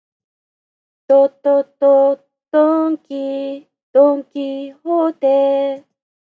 ど、ど、ど、ドンキ、ドンキホーテ